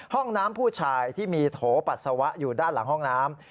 ห้องน้ำผู้ชายที่มีโถปัสสาวะอยู่ด้านหลังห้องน้ำ